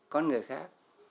con người khác